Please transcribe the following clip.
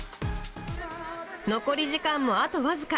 残り時間もあと僅か。